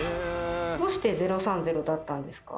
どうして「０３０」だったんですか？